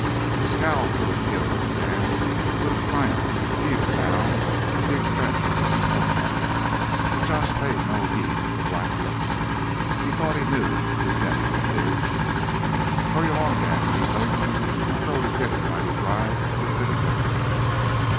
If a scowl could have killed, Dan would have triumphed, even now, at the expense of his uncle's life. But Josh paid no heed to black looks. He thought he knew this nephew of his. "Hurry along, Danny," he coaxed. "My throat is gittin' mighty dry for a bit o' liquor."